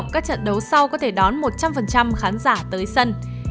các trận đấu sau có thể đón một trăm linh khán giả tới sân